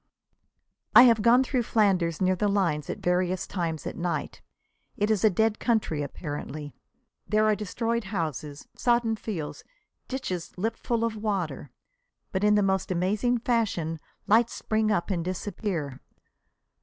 I have gone through Flanders near the lines at various times at night. It is a dead country apparently. There are destroyed houses, sodden fields, ditches lipful of water. But in the most amazing fashion lights spring up and disappear.